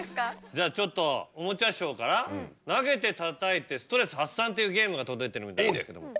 じゃあちょっとおもちゃショーから投げてたたいてストレス発散というゲームが届いてるみたいなんですけども。